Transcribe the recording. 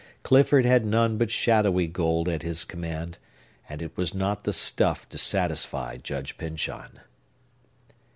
Clifford had none but shadowy gold at his command; and it was not the stuff to satisfy Judge Pyncheon!